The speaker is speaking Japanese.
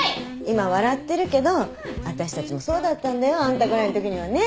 今笑ってるけど私たちもそうだったんだよ。あんたぐらいのときにはね。